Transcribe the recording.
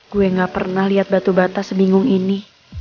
gue gak pernah liat batu bata sebingung ini